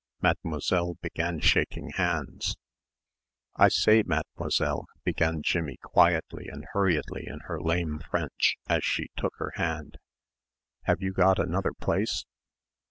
Mademoiselle began shaking hands. "I say, Mademoiselle," began Jimmie quietly and hurriedly in her lame French, as she took her hand. "Have you got another place?"